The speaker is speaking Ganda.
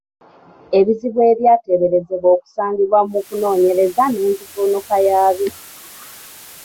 Ebizibu abyateeberezebwa okusangibwa mu kunoonyereza n’enzivuunuka yaabyo.